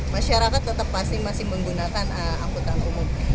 masyarakat tetap pasti masih menggunakan angkutan umum